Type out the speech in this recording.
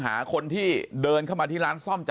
ปากกับภาคภูมิ